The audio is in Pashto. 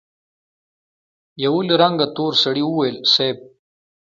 يوه له رنګه تور سړي وويل: صېب!